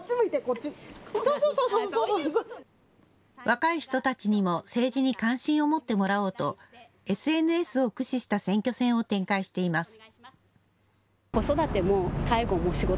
若い人たちにも政治に関心を持ってもらおうとＳＮＳを駆使した選挙戦を展開しています。